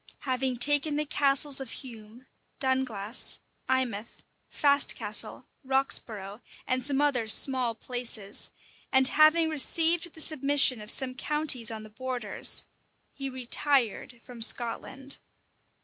Having taking the castles of Hume, Dunglass, Eymouth, Fastcastle, Roxborough, and some other small places, and having received the submission of some counties on the borders, he retired from Scotland.